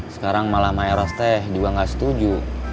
sekarang malah mayros teh juga gak setuju